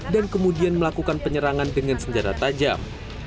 dan kemudian melakukan penyerangan dengan senjata tajam